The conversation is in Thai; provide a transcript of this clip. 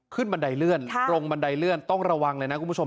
บันไดเลื่อนตรงบันไดเลื่อนต้องระวังเลยนะคุณผู้ชม